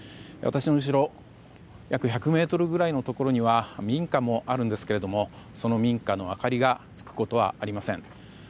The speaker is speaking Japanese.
私の後ろ約１００ｍぐらいのところには民家もあるんですけどその民家の明かりがつくことはりません。